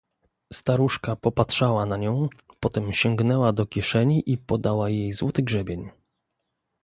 "Staruszka popatrzała na nią, potem sięgnęła do kieszeni i podała jej złoty grzebień."